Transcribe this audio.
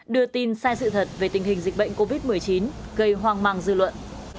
đưa tin sai sự thật về tình hình dịch bệnh covid một mươi chín gây hoang mang dư luận